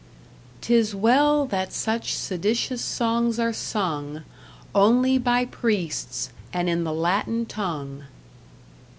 'Tis well that such seditious songs are sung Only by priests, and in the Latin tongue!